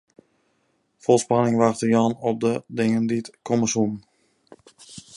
Fol spanning wachte Jan op de dingen dy't komme soene.